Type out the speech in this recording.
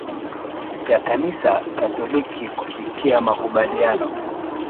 ya kanisa katoliki kufikia makubaliano